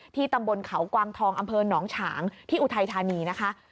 ตำบลเขากวางทองอำเภอหนองฉางที่อุทัยธานีนะคะ